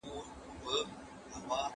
هغه سړی چې پر لار روان و عمر نومیده.